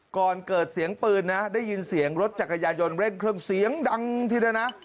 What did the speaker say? ก่อนเกิดเสียงปืนนะได้ยินเสียงรถจักรยายนเร่งเครื่องเสียงดังทีเดียวนะ